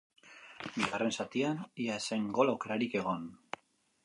Bigarren zatian ia ez zen gol aukerarik egon.